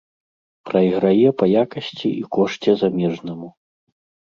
Прайграе па якасці і кошце замежнаму.